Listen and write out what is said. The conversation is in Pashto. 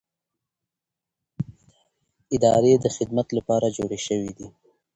ادارې د خدمت لپاره جوړې شوې دي